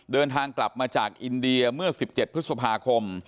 เดินทางกลับมาจากอินเดียเมื่อ๑๗พฤษภาคม